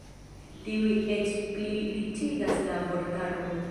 Tiuj eĉ pli riĉigas la vortaron.